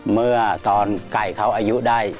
เมื่อตอนไก่เขาอายุได้